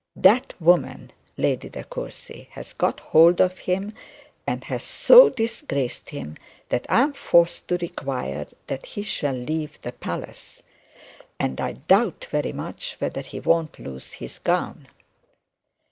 That woman, Lady De Courcy, has got hold of him, and has so disgraced him, that I am forced to required that he shall leave the palace; and I doubt very much whether he won't lose his gown.'